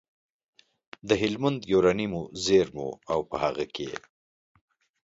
د هلمند یورانیمو زېرمو او په هغه کې